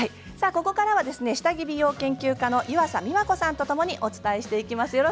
ここからは下着美容研究家の湯浅美和子さんとともにお伝えしていきます。